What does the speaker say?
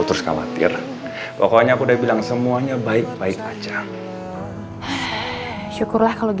terima kasih sayang